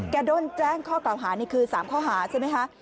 โดนแจ้งข้อกล่าวหานี่คือ๓ข้อหาใช่ไหมคะ